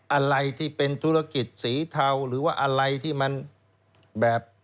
อะไรที่เป็นธุรกิจสีเทาหรือว่าอะไรที่มันแบบ